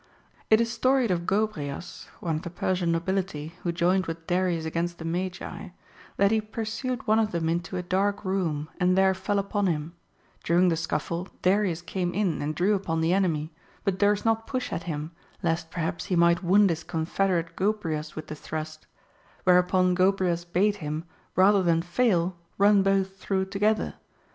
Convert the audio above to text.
It is storied of Gobryas (one of the Persian nobility, who joined with Darius against the Magi), that he pursued one of them into a dark room, and there fell upon him ; during the scuffle Darius came in and drew upon the enemy, but durst not push at him, lest perhaps he might wound his con federate Gobryas with the thrust ; whereupon Gobryas bade him, rather than fail, run both through together.